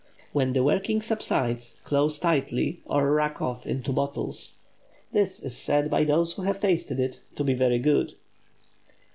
When the working subsides close tightly, or rack off into bottles. This is said by those who have tasted it to be very good.